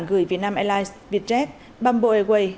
gửi việt nam airlines vietjet bumble airways